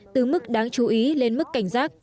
từ mức đáng chú ý lên mức cảnh giác